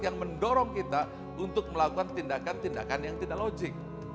yang mendorong kita untuk melakukan tindakan tindakan yang tidak logik